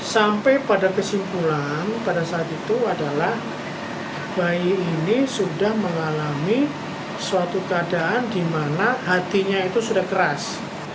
sampai pada kesimpulan pada saat itu adalah bayi ini sudah mengalami suatu keadaan di mana hatinya itu sudah keras